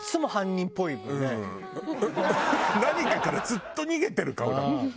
何かからずっと逃げてる顔だもん。